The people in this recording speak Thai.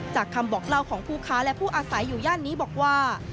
คำบอกเล่าของผู้ค้าและผู้อาศัยอยู่ย่านนี้บอกว่า